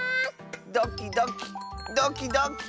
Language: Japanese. ドキドキドキドキ。